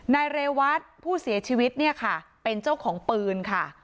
นายเรวัตผู้เสียชีวิตเนี่ยค่ะเป็นเจ้าของปืนค่ะ